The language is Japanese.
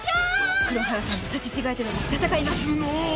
黒原さんと刺し違えてでも闘います！角！？